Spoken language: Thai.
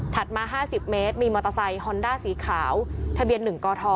ถัดมาห้าสิบเมตรมีมอเตอร์ไซค์ฮอนด้าสีขาวทะเบียนหนึ่งกอทอ